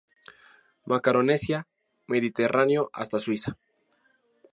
Macaronesia, Mediterráneo hasta Suiza.